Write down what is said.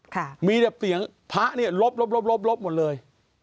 ค่ะมีแต่เสียงพระเนี่ยลบลบหมดเลย